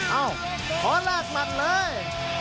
เอ้าขอลากมันเลย